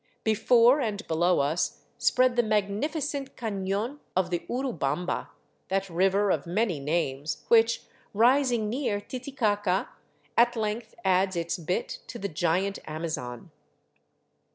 Before and below us spread the magnificent caiion of the Urubamba, that river of many names which, rising near Titicaca, at length adds its bit to the giant Amazon.